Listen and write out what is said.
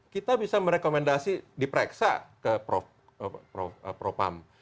kita bisa merekomendasi diperiksa ke propam